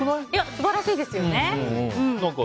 素晴らしいですよね。